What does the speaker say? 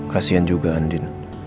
kasian juga andin